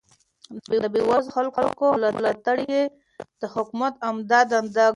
د بې وزلو خلکو ملاتړ يې د حکومت عمده دنده ګڼله.